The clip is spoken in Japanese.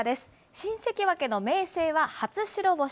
新関脇の明生は初白星。